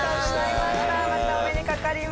またお目にかかります。